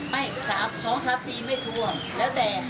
ไม่๒๓ปีไม่ทวงแล้วแต่